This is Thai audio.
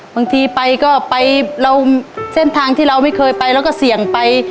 บางทีไปก็ไปเราเส้นทางที่เราไม่เคยไปเราก็เสี่ยงไป